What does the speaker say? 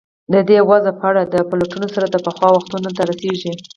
د دې وضع په اړه د پلټنو سر د پخوا وختونو ته رسېږي.